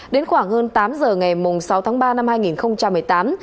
đến khoảng hơn tám giờ ngày sáu tháng ba năm hai nghìn một mươi tám